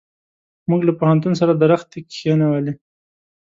موږ له پوهنتون سره درختي کښېنولې.